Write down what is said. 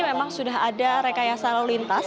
memang sudah ada rekayasa lalu lintas